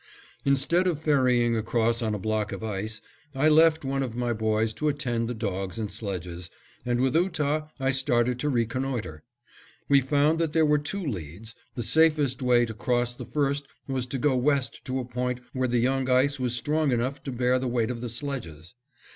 Instead of ferrying across on a block of ice, I left one of my boys to attend the dogs and sledges, and with Ootah I started to reconnoiter. We found that there were two leads, and the safest way to cross the first was to go west to a point where the young ice was strong enough to bear the weight of the sledges.